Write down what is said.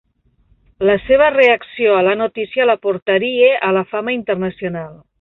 La seva reacció a la notícia la portaria a la fama internacional.